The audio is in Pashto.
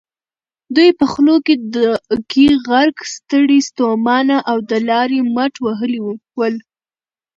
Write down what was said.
دوی په خولو کې غرق، ستړي ستومانه او د لارې مټ وهلي ول.